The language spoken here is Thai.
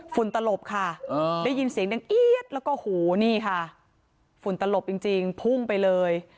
ฝุนตลบค่ะได้ยินเสียงแล้วแล้วก็ฝุนตลบจริงฟุ่งไปเลย